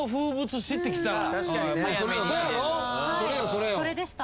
それでした。